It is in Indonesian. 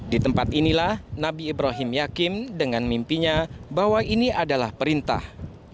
di tempat inilah nabi ibrahim yakin dengan mimpinya bahwa ini adalah perintah